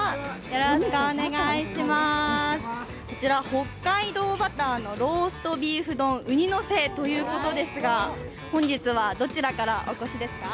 北海道バターのローストビーフ丼ウニのせということですが、本日はどちらからお越しですか？